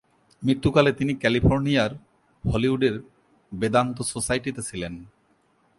মৃত্যু কালে তিনি ক্যালিফোর্নিয়ার হলিউডের বেদান্ত সোসাইটিতে ছিলেন।